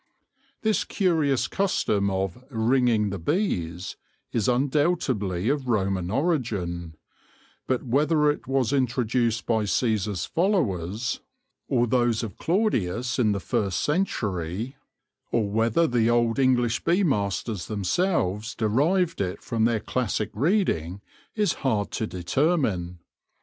This curious custom of " ringing the bees " is undoubtedly of Roman origin ; but whether it was introduced by Caesar's followers, or those of Claudius in the first BEE MASTERS IN THE MIDDLE AGES 27 century, or whether the old English bee masters themselves derived it from their classic reading, is hard to determine.